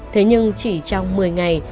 thế nhưng chỉ trong một mươi ngày